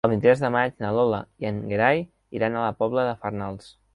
El vint-i-tres de maig na Lola i en Gerai iran a la Pobla de Farnals.